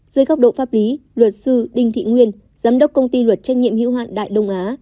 dưới góc độ pháp lý luật sư đinh thị nguyên giám đốc công ty luật trách nhiệm hữu hạn đại đông á